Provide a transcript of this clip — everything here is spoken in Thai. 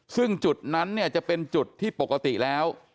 ซึ่งจุดนั้นเนี่ยจะเป็นจุดที่ปกติแล้ว